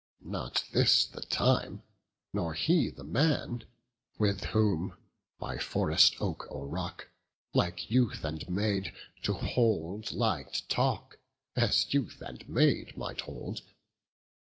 Not this the time, nor he the man, with whom By forest oak or rock, like youth and maid, To hold light talk, as youth and maid might hold.